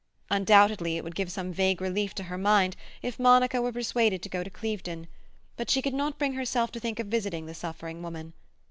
Undoubtedly it would give some vague relief to her mind if Monica were persuaded to go to Clevedon, but she could not bring herself to think of visiting the suffering woman.